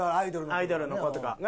アイドルの子とかね。